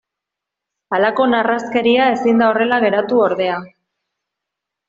Halako narraskeria ezin da horrela geratu ordea.